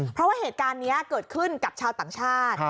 เพราะว่าเหตุการณ์นี้เกิดขึ้นกับชาวต่างชาติ